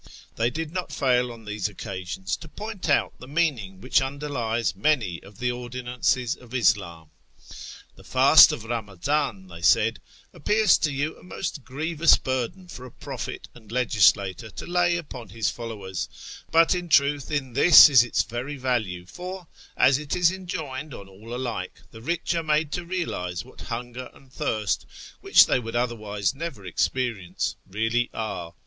They did not fail on these occasions to point out the meaning wliich underlies many of the ordinances of Ishhn. " The fast of Kamaziiu," they said, " appears to you a most grievous burden for a prophet and legislator to lay upon his followers, but in truth in this is its very value, for, as it is enjoined on all alike, the rich are made to realise what hunger and thirst, which they would otherwise never experience, really are.